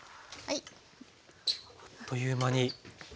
あっという間に。